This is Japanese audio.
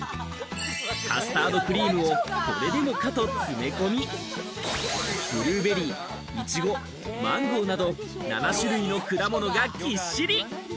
カスタードクリームをこれでもかと詰め込みブルーベリー、イチゴ、マンゴーなど７種類の果物がぎっしり。